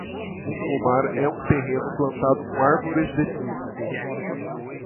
Um pomar é um terreno plantado com árvores de fruto.